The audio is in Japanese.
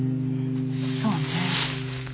そうね。